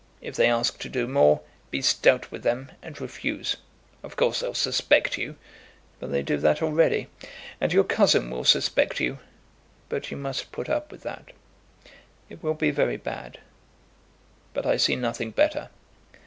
If they ask to do more, be stout with them and refuse. Of course they'll suspect you, but they do that already. And your cousin will suspect you; but you must put up with that. It will be very bad; but I see nothing better.